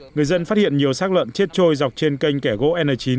người dân phát hiện nhiều xác lợn chết trôi dọc trên kênh kẻ gỗ n chín